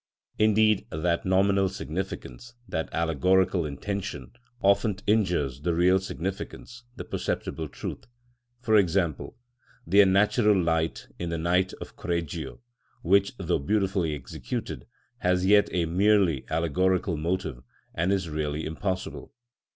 Indeed, that nominal significance, that allegorical intention, often injures the real significance, the perceptible truth. For example, the unnatural light in the "Night" of Correggio, which, though beautifully executed, has yet a merely allegorical motive, and is really impossible.